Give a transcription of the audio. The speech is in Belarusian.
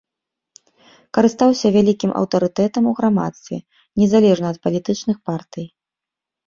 Карыстаўся вялікім аўтарытэтам у грамадстве, незалежна ад палітычных партый.